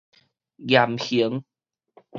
嚴刑